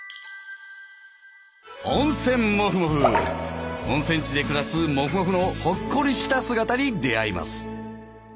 温泉地で暮らすもふもふのほっこりした姿に出会います。